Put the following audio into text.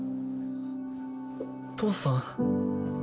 父さん。